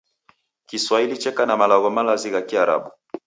Kiswahili cheka na malagho malazi gha Kiarabu